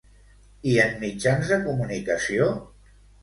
I en mitjans de comunicació?